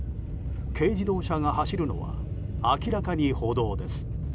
軽自動車が走るのは明らかに歩道です。